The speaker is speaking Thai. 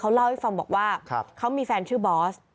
เล่าให้ฟังบอกว่าเขามีแฟนชื่อบอส